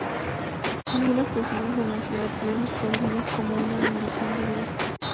Algunas personas en la ciudad ven los problemas como una maldición de Dios.